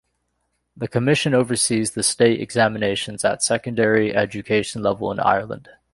The commission oversees the state examinations at secondary education level in Ireland.